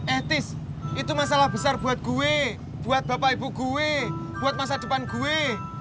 etis itu masalah besar buat gue buat bapak ibu gue buat masa depan gue